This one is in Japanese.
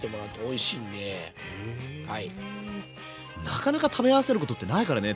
なかなか食べ合わせることってないからね